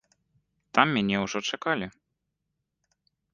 Там мяне ўжо чакалі.